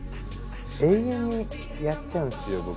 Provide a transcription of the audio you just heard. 永遠にやっちゃうんですよ